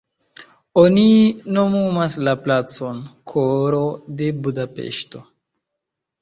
Oni nomumas la placon "koro de Budapeŝto".